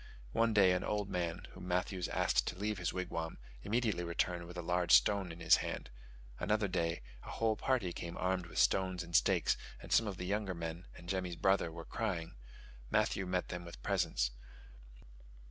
One day an old man, whom Matthews asked to leave his wigwam, immediately returned with a large stone in his hand: another day a whole party came armed with stones and stakes, and some of the younger men and Jemmy's brother were crying: Matthews met them with presents.